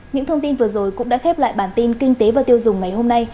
những thông tin vừa rồi cũng đã khép lại bản tin kinh tế và tiêu dùng ngày hôm nay